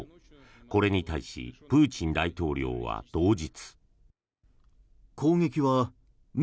これに対し、プーチン大統領は同日。